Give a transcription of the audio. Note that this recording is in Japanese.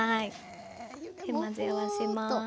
混ぜ合わせます。